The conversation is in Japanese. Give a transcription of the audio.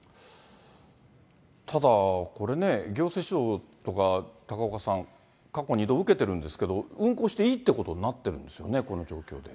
ただ、これね、行政指導とか、高岡さん、過去２度受けてるんですけど、運航していいってことになってるんですよね、この状況で。